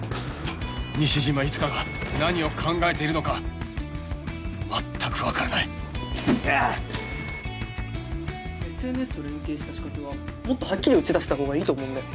西島いつかが何を考えているのか全くわからないＳＮＳ と連携した仕掛けはもっとはっきり打ち出したほうがいいと思うんだよ。